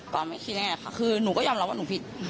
ก่อนไม่คิดอย่างไรค่ะคือหนูก็ยอมรับว่าหนูผิด